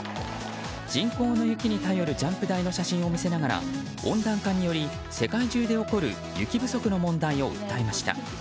人工の雪に頼るジャンプ台の写真を見せながら温暖化により世界中で起こる雪不足の問題を訴えました。